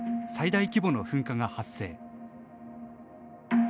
最大規模の噴火が発生。